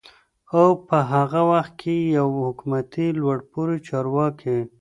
او په هغه وخت کې يوه حکومتي لوړپوړي چارواکي